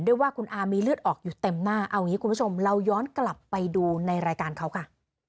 ได้ว่าคุณอามีเลือดออกอยู่เต็มหน้าเอานี่คุณชมเราย้อนกลับไปดูในรายการครับอ่ะ